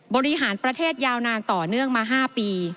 บริหารประเทศยาวนานต่อเนื่องมา๕ปี